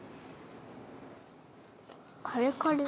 カリカリ。